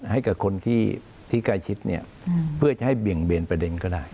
ให้กับคนที่ใกล้ชิดเนี่ยเพื่อจะให้เบี่ยงเบนประเด็นก็ได้